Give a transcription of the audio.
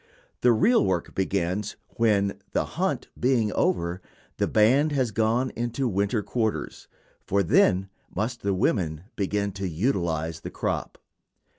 The real work begins when, the hunt being over, the band has gone into winter quarters, for then must the women begin to utilize "the crop."